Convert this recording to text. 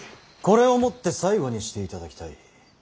これをもって最後にしていただきたい。